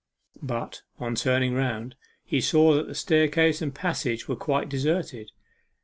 But, on turning round, he saw that the staircase and passage were quite deserted.